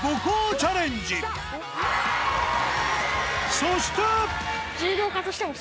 そして！